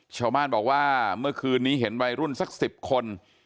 ชาวบ้านบอกว่าเมื่อคืนนี้เห็นวัยรุ่นสัก๑๐คน